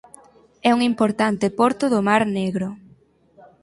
É un importante porto do Mar Negro.